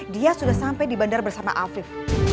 dia sudah sampai di bandar bersama afif